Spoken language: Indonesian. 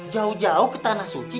jauh jauh ke tanah suci